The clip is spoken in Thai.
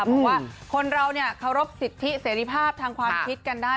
บอกว่าคนเราเคารพสิทธิเสรีภาพทางความคิดกันได้